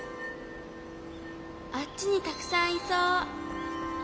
あっちにたくさんいそう。